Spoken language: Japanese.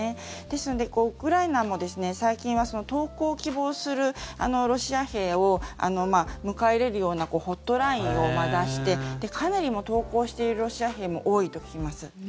ですので、ウクライナも最近は投降を希望するロシア兵を迎え入れるようなホットラインを出してかなり投降しているロシア兵も多いと聞きます。